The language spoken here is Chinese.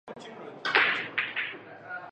月眉糖厂铁道简介